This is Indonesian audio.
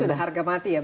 itu sudah harga mati ya